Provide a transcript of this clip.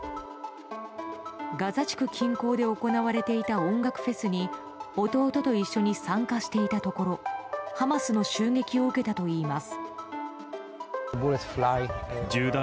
ガザ地区近郊で行われていた音楽フェスに弟と一緒に参加していたところハマスの襲撃を受けたといいます。